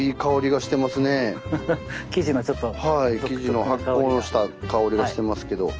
生地の発酵した香りがしてますけど。